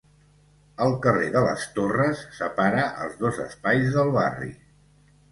El carrer de les Torres separa els dos espais del barri.